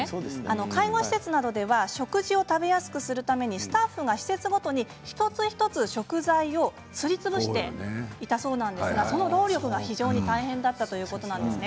介護施設などでは食事を食べやすくするためにスタッフが施設ごとに一つ一つ食材をすりつぶしていたそうなんですがその労力が非常に大変だったということなんです。